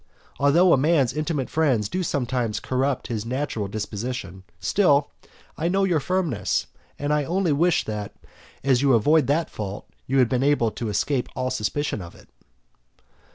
Although a man's intimate friends do sometimes corrupt his natural disposition, still I know your firmness; and I only wish that, as you avoid that fault, you had been able also to escape all suspicion of it.